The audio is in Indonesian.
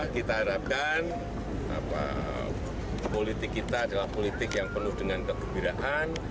kita harapkan politik kita adalah politik yang penuh dengan kegembiraan